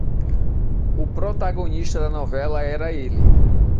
O protagonista da novela era ele.